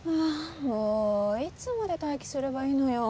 もういつまで待機すればいいのよ